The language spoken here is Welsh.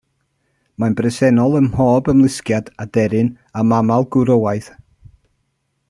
Mae'n bresennol ym mhob ymlusgiad, aderyn a mamal gwrywaidd.